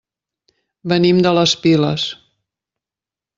Venim de les Piles.